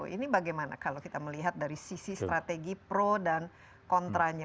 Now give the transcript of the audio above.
ini bagaimana kalau kita melihat dari sisi strategi pro dan kontranya